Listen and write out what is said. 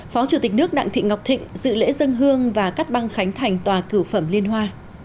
phó chủ tịch nước đặng thị ngọc thịnh dự lễ dân hương và cắt băng khánh thành tòa cử phẩm liên hoa